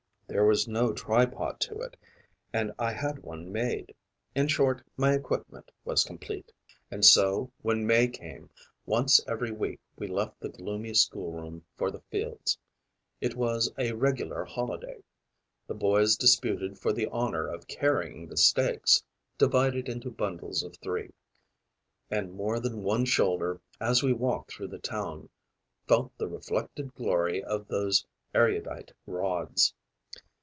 There was no tripod to it; and I had one made. In short, my equipment was complete. And so, when May came, once every week we left the gloomy school room for the fields. It was a regular holiday. The boys disputed for the honour of carrying the stakes, divided into bundles of three; and more than one shoulder, as we walked through the town, felt the reflected glory of those erudite rods.